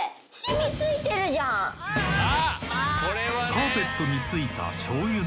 ［カーペットに付いた］